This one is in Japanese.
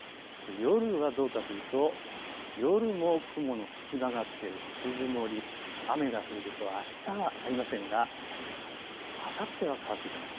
夜はどうかというと夜も雲の隙間があって薄曇り、雨が降ることはあしたはありませんがあさっては変わってきます。